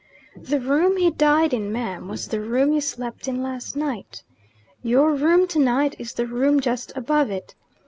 The room he died in, ma'am, was the room you slept in last night. Your room tonight is the room just above it.